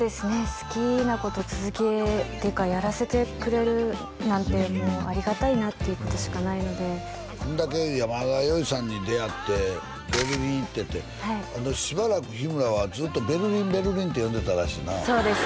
好きなこと続けというかやらせてくれるなんてもうありがたいなっていうことしかないのであんだけ山田洋次さんに出会ってベルリン行っててしばらく日村はずっとベルリンベルリンって呼んでたらしいなそうです